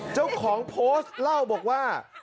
เจ้าของโพสต์เล่าบอกว่า